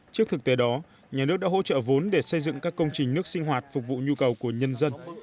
trước thực tế đó nhà nước đã hỗ trợ vốn để xây dựng các công trình nước sinh hoạt phục vụ nhu cầu của nhân dân